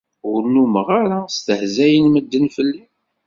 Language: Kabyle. Ur nnumeɣ ara stehzayen medden fell-i.